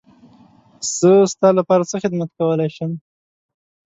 زه ستا لپاره څه خدمت کولی شم.